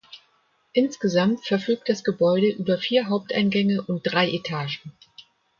Insgesamt verfügt das Gebäude über vier Haupteingänge und drei Etagen.